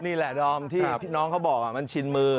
นี่แหละดอมที่น้องเขาบอกมันชินมือ